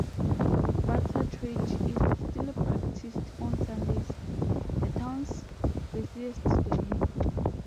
Barter trade is still practiced on Sundays, the town's busiest day.